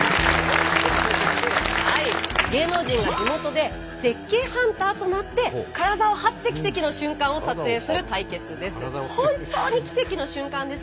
芸能人が地元で絶景ハンターとなって体を張って奇跡の瞬間を撮影する対決です。